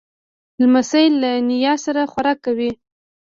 لمسی له نیا سره خوراک کوي.